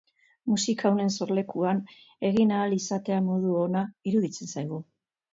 Musika honen sorlekuan egin ahal izatea modu ona iruditzen zaigu.